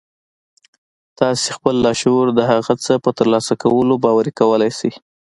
تاسې خپل لاشعور د هغه څه په ترلاسه کولو باوري کولای شئ